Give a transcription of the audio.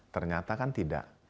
ternyata kan tidak